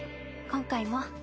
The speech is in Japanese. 今回も。